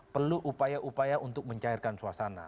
perlu upaya upaya untuk mencairkan suasana